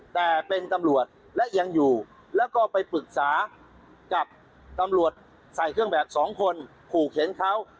ตำรวจใส่เครื่องแบบสองคนขู่เข็งเขา